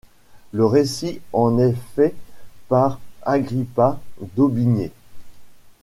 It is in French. Le récit en est fait par Agrippa d'Aubigné.